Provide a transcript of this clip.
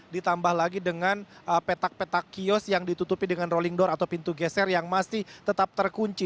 ditambah lagi dengan petak petak kios yang ditutupi dengan rolling door atau pintu geser yang masih tetap terkunci